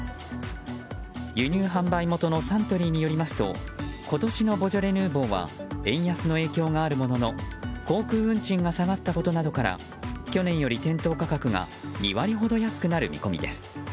輸入販売元のサントリーによりますと今年のボジョレ・ヌーボーは円安の影響があるものの航空運賃が下がったことなどから去年より店頭価格が２割ほど安くなる見込みです。